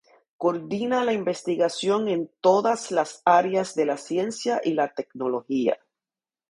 Coordina la investigación en todas las áreas de la ciencia y la tecnología.